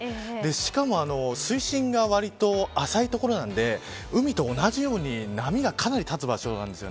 しかも、水深がわりと浅い所なので海と同じように波がかなり立つ場所なんです。